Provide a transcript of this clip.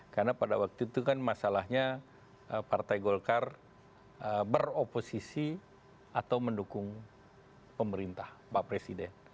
karena pada waktu itu kan masalahnya partai golkar beroposisi atau mendukung pemerintah pak presiden